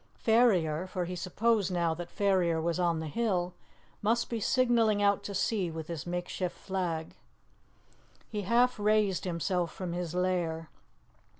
Ferrier for he supposed now that Ferrier was on the hill must be signalling out to sea with this makeshift flag. He half raised himself from his lair.